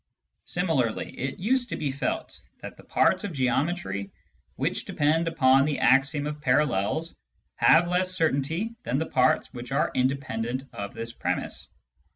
Similarly, it used to be felt that the parts of geometry which depend upon the axiom of parallels have less certainty than the parts which are independent of this premiss.